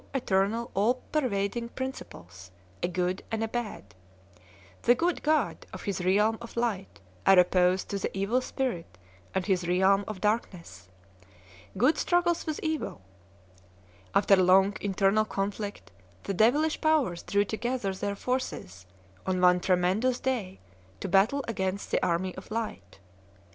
eternal all pervading principles, a good and a bad; the good God and his realm of light are opposed to the .Evil Spirit and his realm of darkness^ good struggles with evil. After long internal conflict, the devilish powers drew together their forces on one tremendous day to battle against the army of light.